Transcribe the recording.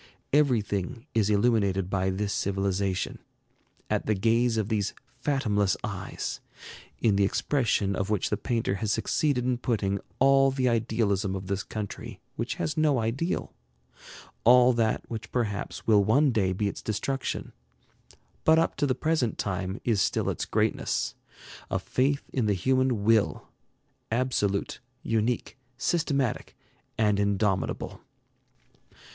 Everything is illuminated by this civilization, at the gaze of these fathomless eyes, in the expression of which the painter has succeeded in putting all the idealism of this country which has no ideal; all that which perhaps will one day be its destruction, but up to the present time is still its greatness, a faith in the human Will, absolute, unique, systematic, and indomitable.